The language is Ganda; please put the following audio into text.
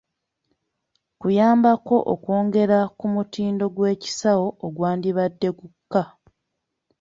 Kuyambako okwongera ku mutindo gw’ekisawo ogwandibadde gukka.